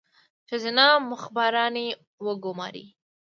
ښځینه مخبرانې وګوماري.